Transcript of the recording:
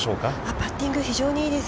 ◆パッティングは、非常にいいです。